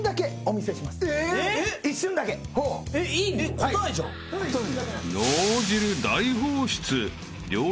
答えじゃん。